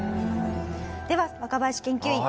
では若林研究員